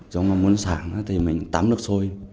giống như muốn sảng thì mình tắm nước sôi